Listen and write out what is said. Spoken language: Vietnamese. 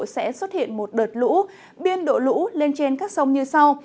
sẽ xuất hiện một đợt lũ biên độ lũ lên trên các sông như sau